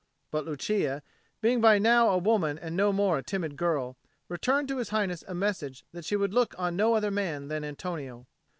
But Lucia, being by now a woman and no more a timid girl, returned to His Highness a message that she would look on no other man than Antonio.